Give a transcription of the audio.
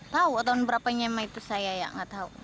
tahu tahun berapanya emang itu saya ya gak tahu